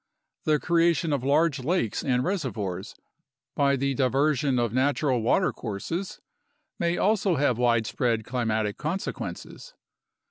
The creation of large lakes and reservoirs by the diversion of natural watercourses may also have widespread climatic consequences.